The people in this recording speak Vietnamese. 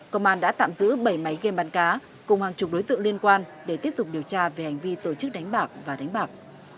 công an đã tạm giữ bảy máy game bắn cá cùng hàng chục đối tượng liên quan để tiếp tục điều tra về hành vi tổ chức đánh bạc và đánh bạc